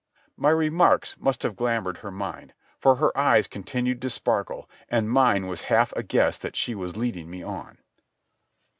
My remarks must have glamoured her mind, for her eyes continued to sparkle, and mine was half a guess that she was leading me on.